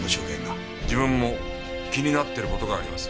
自分も気になってる事があります。